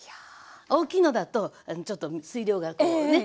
大きいのだとちょっと水量がこうね。